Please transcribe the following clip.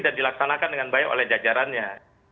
dan dilaksanakan dengan baik oleh jajarannya